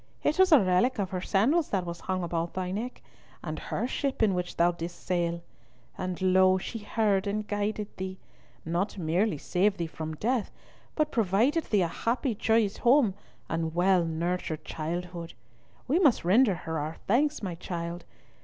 It was a relic of her sandals that was hung about thy neck, and her ship in which thou didst sail; and lo, she heard and guarded thee, and not merely saved thee from death, but provided thee a happy joyous home and well nurtured childhood. We must render her our thanks, my child.